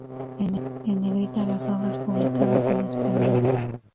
En negrita las obras publicadas en español.